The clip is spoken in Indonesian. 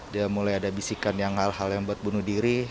dia mulai ada bisikan yang hal hal yang buat bunuh diri